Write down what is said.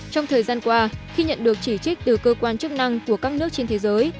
trong thời gian qua khi nhận được chỉ trích từ cơ quan chức năng của các nước trên thế giới